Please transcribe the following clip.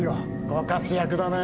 ご活躍だね。